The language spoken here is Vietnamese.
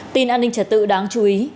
tin an ninh trật tự đáng chú ý